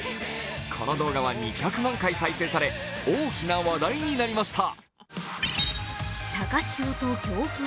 この動画は２００万回再生され大きな話題になりました。